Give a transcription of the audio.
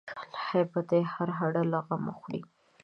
له هیبته یې هر هډ له غمه خوري